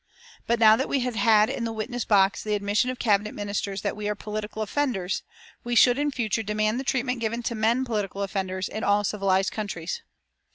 But now that we had had in the witness box the admission of Cabinet Ministers that we are political offenders, we should in future demand the treatment given to men political offenders in all civilised countries.